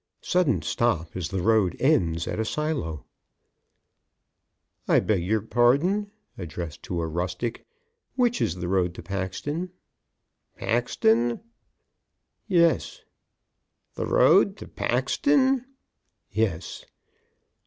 Sudden stop as the road ends at a silo. "I beg your pardon [addressed to a rustic], which is the road to Paxton?" "Paxton?" "Yes." "The road to Paxton?" "Yes."